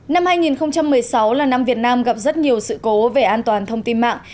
năm hai nghìn một mươi sáu là năm việt nam gặp rất nhiều sự cố về an toàn thông tin mạng